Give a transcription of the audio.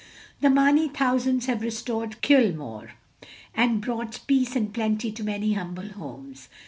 The Mamey thousands have restored Cuilmore, and brought peace and plenty to many humble homes.